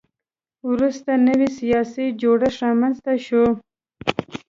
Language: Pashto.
وروسته نوی سیاسي جوړښت رامنځته شو.